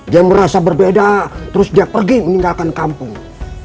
dia merasa berbeda terus dia pergi meninggalkan kampung